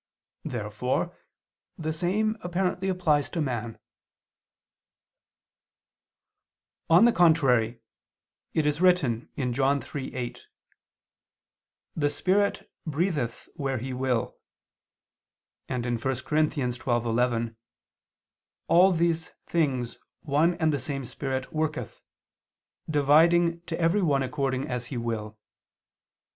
Therefore the same apparently applies to man. On the contrary, It is written (John 3:8): "The Spirit breatheth where He will," and (1 Cor. 12:11): "All these things one and the same Spirit worketh, dividing to every one according as He will."